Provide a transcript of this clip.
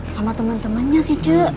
sama temen temennya sih ce